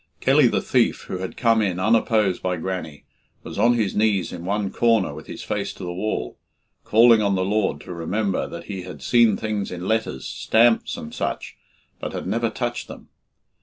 Kelly the Thief, who had come in unopposed by Grannie, was on his knees in one corner with his face to the wall, calling on the Lord to remember that he had seen things in letters stamps and such but had never touched them.